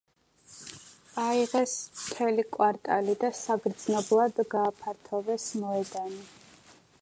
აიღეს მთელი კვარტალი და საგრძნობლად გააფართოვეს მოედანი.